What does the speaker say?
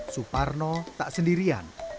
suparno tak sendirian